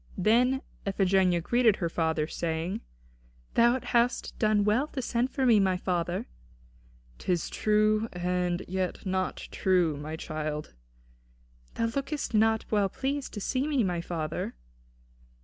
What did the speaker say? Then Iphigenia greeted her father, saying: "Thou hast done well to send for me, my father." "'Tis true and yet not true, my child." "Thou lookest not well pleased to see me, my father."